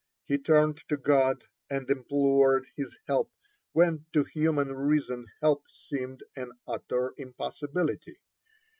He turned to God and implored His help when to human reason help seemed an utter impossibility.